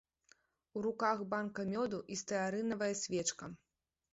У руках банка мёду і стэарынавая свечка.